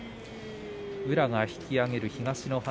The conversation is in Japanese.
宇良が引き揚げる東の花